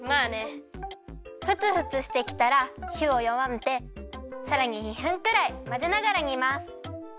ふつふつしてきたらひをよわめてさらに２分くらいまぜながらにます。